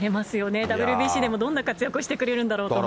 ＷＢＣでもどんな活躍をしてくれるんだろうと思いますし。